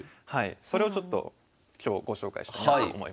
それをちょっと今日ご紹介したいなと思います。